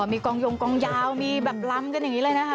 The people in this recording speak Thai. มีกองยงกองยาวมีแบบลำกันอย่างนี้เลยนะคะ